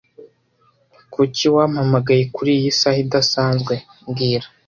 Kuki wampamagaye kuriyi saha idasanzwe mbwira